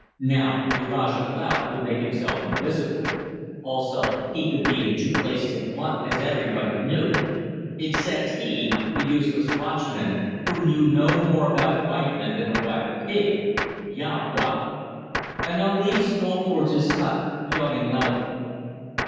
Now, the Rajah Laut could make himself invisible. Also, he could be in two places at once, as everybody knew; except he the useless watchman who knew no more about white men than a wild pig! Ya wa! And Ali strolled towards his hut, yawning loudly.